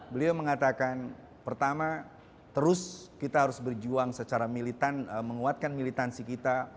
beliau mengatakan pertama terus kita harus berjuang secara militan menguatkan militansi kita